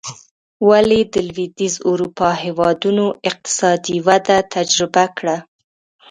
ولې د لوېدیځې اروپا هېوادونو اقتصادي وده تجربه کړه.